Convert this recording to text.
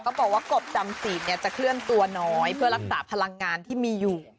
บอกว่ากบจำศีลจะเคลื่อนตัวน้อยเพื่อรักษาพลังงานที่มีอยู่